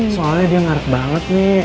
soalnya dia ngerek banget nih